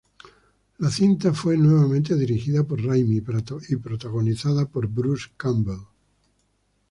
La cinta fue nuevamente dirigida por Raimi y protagonizada por Bruce Campbell.